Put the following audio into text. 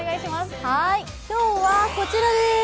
今日はこちらです。